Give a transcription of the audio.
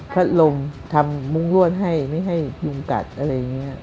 ลงทำมุ้งรวดให้ไม่ให้ยุงกัดอะไรอย่างนี้